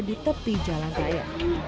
di tepi jalan raya